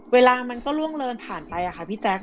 เวลามันก็ล่วงเลินผ่านไปค่ะพี่แจ๊ค